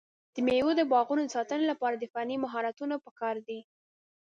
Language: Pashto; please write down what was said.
د مېوو د باغونو د ساتنې لپاره د فني مهارتونو پکار دی.